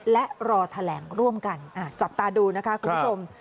และรอแถลงร่วมกันจับตาดูนะคะคุณผู้ชม